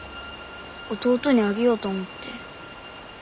弟にあげようと思って。